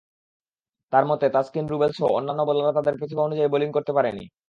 তাঁর মতে, তাসকিন, রুবেলসহ অন্যান্য বোলাররা তাদের প্রতিভা অনুযায়ী বোলিং করতে পারেনি।